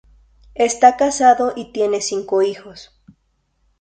Está casado y tiene cinco hijos.